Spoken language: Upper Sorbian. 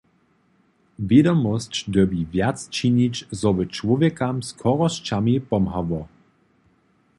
Wědomosć dyrbi wjac činić, zo by čłowjekam z chorosćami pomhało.